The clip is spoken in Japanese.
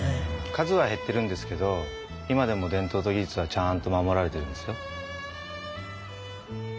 数は減ってるんですけど今でも伝統と技術はちゃんと守られてるんですよ。